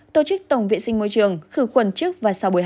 tổ chức tổng vệ sinh môi trường khử khuẩn trước và sau buổi học